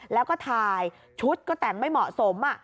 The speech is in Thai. แล้วก็ถ่ายชุดก็แต่งไม่เหมาะสม